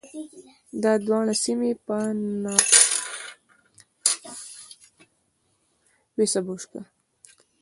دا دواړه سیمې په ناتوفیان فرهنګي حوزه کې شاملې وې